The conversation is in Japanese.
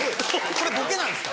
これボケなんですか？